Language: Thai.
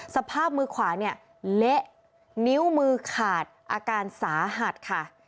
สภาพมือขวาเนี่ยเละนิ้วมือขาดอาการสาหัสค่ะ